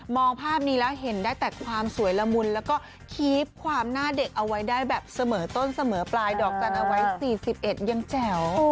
ภาพนี้แล้วเห็นได้แต่ความสวยละมุนแล้วก็คีบความหน้าเด็กเอาไว้ได้แบบเสมอต้นเสมอปลายดอกจันทร์เอาไว้๔๑ยังแจ๋ว